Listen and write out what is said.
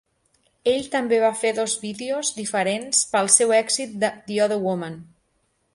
Ell també va fer dos vídeos diferents per al seu èxit "The Other Woman".